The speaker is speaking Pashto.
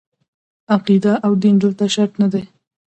عقیده او دین دلته شرط نه دي.